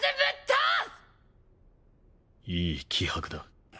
いい気迫だ。